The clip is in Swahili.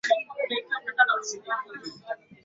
kiongozi anayeingia madarakani atatoa maamuzi